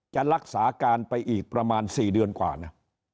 จะรักษาการไปอีกประมาณ๔เดือนกว่านะ